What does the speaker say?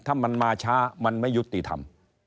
ถ้ามันมาช้ามันไม่ยุติธรรม